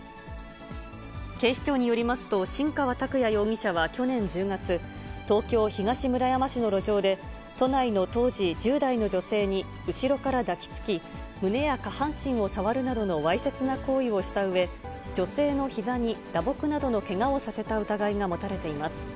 警視庁によりますと、新川拓哉容疑者は去年１０月、東京・東村山市の路上で、都内の当時１０代の女性に後ろから抱きつき、胸や下半身を触るなどのわいせつな行為をしたうえ、女性のひざに打撲などのけがをさせた疑いが持たれています。